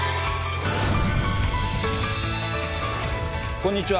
こんにちは。